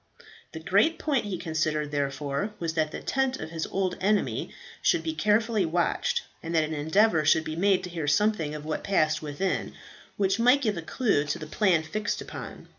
The great point he considered, therefore, was that the tent of his old enemy should be carefully watched, and that an endeavour should be made to hear something of what passed within, which might give a clue to the plan fixed upon.